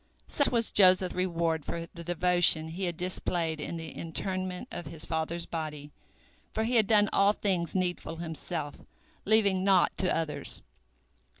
Such was Joseph's reward for the devotion he had displayed in the interment of his father's body, for he had done all things needful himself, leaving naught to others.